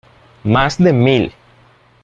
¡ más de mil!